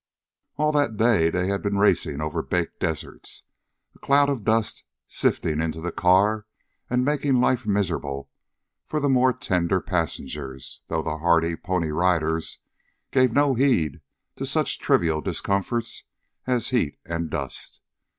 All that day they had been racing over baked deserts, a cloud of dust sifting into the car and making life miserable for the more tender passengers, though the hardy Pony Riders gave no heed to such trivial discomforts as heat and dust.